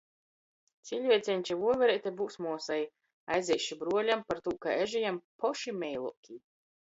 Ciļvieceņš i vuovereite byus muosai, a ezeiši bruoļam, partū ka eži jam poši meiluokī.